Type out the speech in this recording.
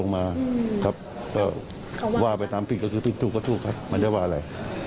แล้วเราก็ไม่ได้เข้าข้างลูกชาย